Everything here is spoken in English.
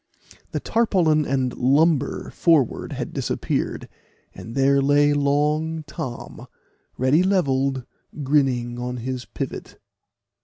The tarpaulin and lumber forward had disappeared, and there lay long Tom, ready levelled, grinning on his pivot.